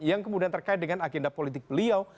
yang kemudian terkait dengan agenda politik beliau